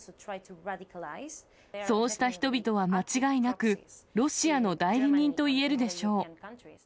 そうした人々は間違いなく、ロシアの代理人といえるでしょう。